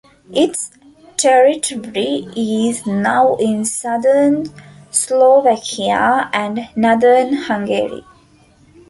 Its territory is now in southern Slovakia and northern Hungary.